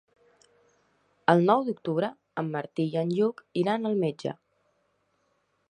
El nou d'octubre en Martí i en Lluc iran al metge.